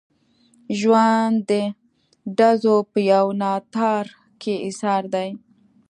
ژوند د ډزو په یو ناتار کې ایسار دی.